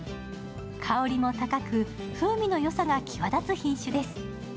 香りも高く、風味のよさが際立つ品種です。